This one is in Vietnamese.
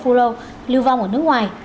phù hợp lưu vong ở nước ngoài